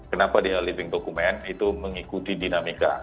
kenapa dia a living document itu mengikuti dinamika